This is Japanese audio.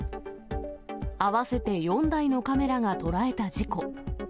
合わせて４台のカメラが捉えた事故。